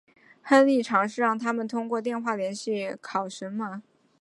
亨利尝试让他们通过电话联系考雷什。